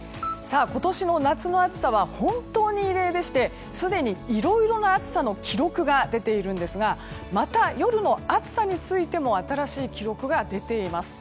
今年の夏の暑さは本当に異例でしてすでにいろいろな暑さの記録が出ているんですがまた夜の暑さについても新しい記録が出ています。